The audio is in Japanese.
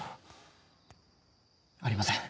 ありません。